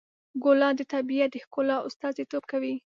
ګلان د طبیعت د ښکلا استازیتوب کوي.